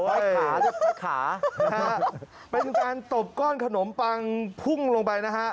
ขานะฮะเป็นการตบก้อนขนมปังพุ่งลงไปนะฮะ